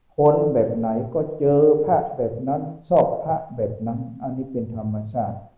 คนแบบไหนก็เจอพระแบบนั้นซอกพระแบบนั้นอันนี้เป็นธรรมชาติ